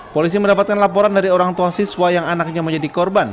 polisi mendapatkan laporan dari orang tua siswa yang anaknya menjadi korban